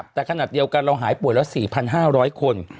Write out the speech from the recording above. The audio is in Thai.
แต่ขณะเดียวกันเราหายป่วยแล้ว๔๕๐๐คน